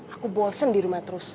aku bosen di rumah terus